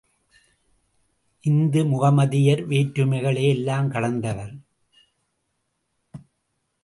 இந்து முகமதியர் வேற்றுமைகளை எல்லாம் கடந்தவர்.